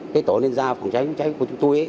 cái tổ liên gia phòng cháy của chúng tôi